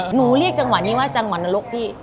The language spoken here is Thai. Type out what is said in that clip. เรียกจังหวะนี้ว่าจังหวัดนรกพี่